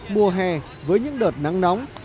mùa hè với những đợt nắng nóng